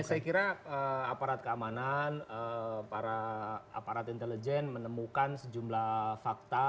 saya kira aparat keamanan para aparat intelijen menemukan sejumlah fakta